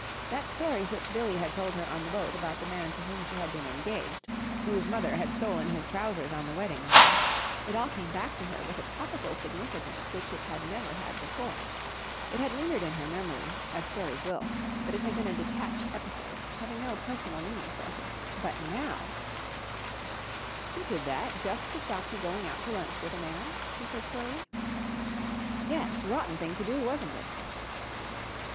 That story which Billie had told her on the boat about the man to whom she had been engaged, whose mother had stolen his trousers on the wedding morning ... it all came back to her with a topical significance which it had never had before. It had lingered in her memory, as stories will, but it had been a detached episode, having no personal meaning for her. But now.... "She did that just to stop you going out to lunch with a man?" she said slowly. "Yes, rotten thing to do, wasn't it?"